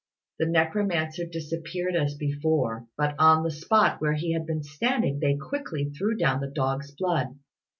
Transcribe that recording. The necromancer disappeared as before, but on the spot where he had been standing they quickly threw down the dog's blood.